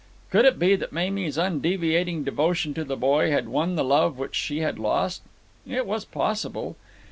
Could it be that Mamie's undeviating devotion to the boy had won the love which she had lost? It was possible.